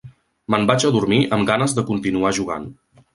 Me'n vaig a dormir amb ganes de continuar jugant.